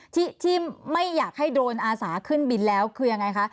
ที่ที่ไม่อยากให้โดรนอาสาขึ้นบินแล้วคือยังไงคะ